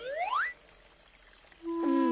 うん。